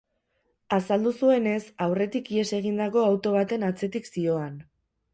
Azaldu zuenez, aurretik ihes egindako auto baten atzetik zihoan.